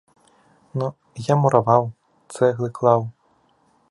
Ну, я мураваў, цэглы клаў.